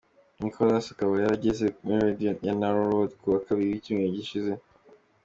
Nicolas akaba yarageze muri studio ya Narrow Road kuwa kabiri w’icyumweru gishize.